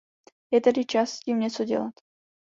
Je tedy čas s tím něco dělat.